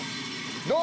どう？